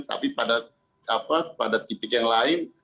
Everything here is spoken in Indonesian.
tapi pada titik yang lain